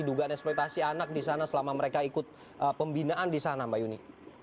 dugaan eksploitasi anak di sana selama mereka ikut pembinaan di sana mbak yuni